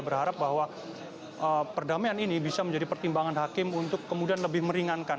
berharap bahwa perdamaian ini bisa menjadi pertimbangan hakim untuk kemudian lebih meringankan